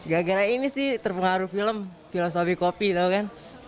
gara gara ini sih terpengaruh film filosofi kopi tau kan